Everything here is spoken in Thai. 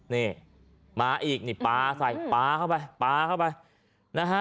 นี่มาอีกนี่ปลาใส่ปลาเข้าไปปลาเข้าไปนะฮะ